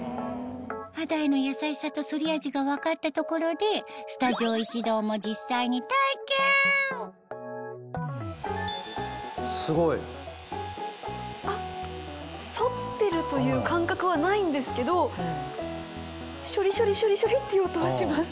肌への優しさと剃り味が分かったところでスタジオ一同も実際に体験すごい。剃ってるという感覚はないんですけどショリショリショリっていう音はします。